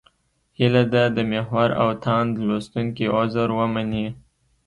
هیله ده د محور او تاند لوستونکي عذر ومني.